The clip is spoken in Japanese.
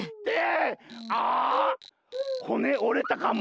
・あほねおれたかも。